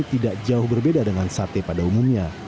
tidak jauh berbeda dengan sate pada umumnya